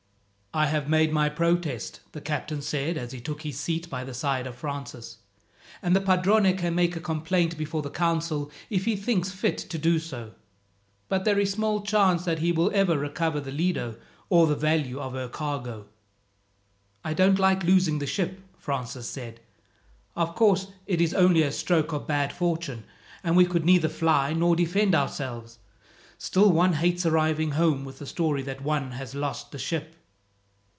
"I have made my protest," the captain said as he took his seat by the side of Francis, "and the padrone can make a complaint before the council if he thinks fit to do so; but there is small chance that he will ever recover the Lido, or the value of her cargo." "I don't like losing the ship," Francis said. "Of course, it is only a stroke of bad fortune, and we could neither fly nor defend ourselves. Still one hates arriving home with the story that one has lost the ship."